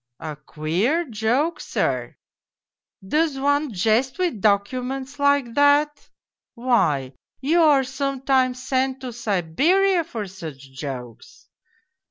A queer joke, sir ! Does one jest with docu ments like that ? Why, you are sometimes sent to Siberia for such jokes.